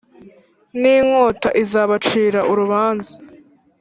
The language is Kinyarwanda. n inkota i Nzabacira urubanza